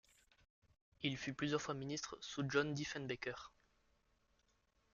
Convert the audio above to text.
Il fut plusieurs fois ministre sous John Diefenbaker.